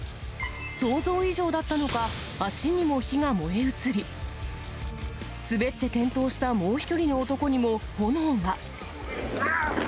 想像以上だったのか、足にも火が燃え移り、滑って転倒したもう１人の男にも炎が。